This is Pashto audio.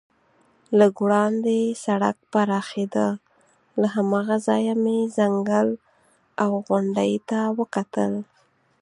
لږ وړاندې سړک پراخېده، له هماغه ځایه مې ځنګل او غونډۍ ته وکتل.